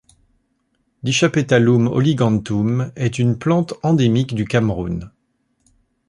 Dichapetalum oliganthum est une plante endémique du Cameroun.